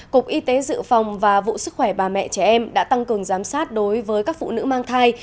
cục y tế dự phòng và vụ sức khỏe bà mẹ trẻ em đã tăng cường giám sát đối với các phụ nữ mang thai